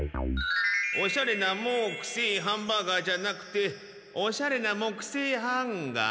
おしゃれなもうくせえハンバーガーじゃなくておしゃれなもくせいハンガー？